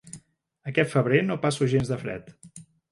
Aquest febrer no passo gens de fred.